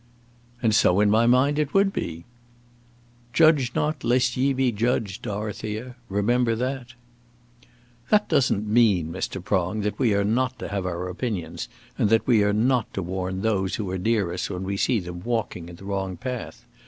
"And so in my mind it would be." "Judge not, lest ye be judged, Dorothea; remember that." "That doesn't mean, Mr. Prong, that we are not to have our opinions, and that we are not to warn those that are near us when we see them walking in the wrong path.